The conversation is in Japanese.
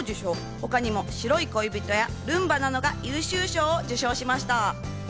他にも白い恋人やルンバなどが優秀賞を受賞しました。